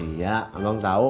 iya emang tau